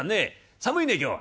寒いね今日は」。